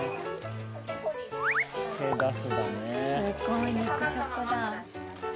すごい肉食だ。